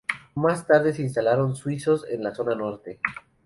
Más tarde se instalaron suizos en la zona norte.